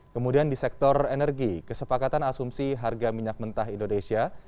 kemudian di sektor energi kesepakatan asumsi harga minyak mentah indonesia